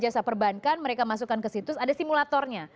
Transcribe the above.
jadi jasa jasa perbankan mereka masukkan ke situs ada simulatornya